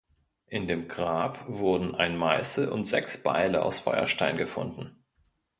In dem Grab wurden ein Meißel und sechs Beile aus Feuerstein gefunden.